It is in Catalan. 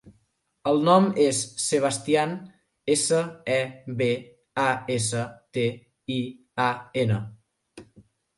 El nom és Sebastian: essa, e, be, a, essa, te, i, a, ena.